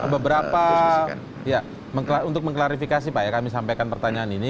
beberapa ya untuk mengklarifikasi pak ya kami sampaikan pertanyaan ini